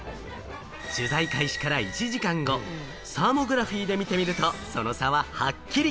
取材開始から１時間後、サーモグラフィーで見てみると、その差ははっきり。